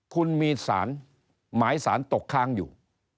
คุณมีสารหมายสารตกค้างอยู่